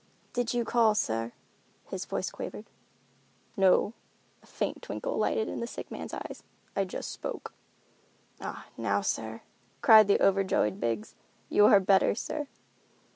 "Did you call, sir?" His voice quavered. "No"—a faint twinkle lighted the sick man's eyes—"I just spoke." "Ah, now sir," cried the overjoyed Biggs, "you are better, sir."